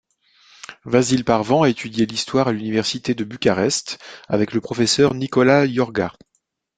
Vasile Pârvan a étudié l'histoire à l'université de Bucarest avec le professeur Nicolae Iorga.